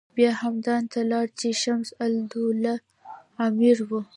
بیا همدان ته لاړ چې شمس الدوله امیر و.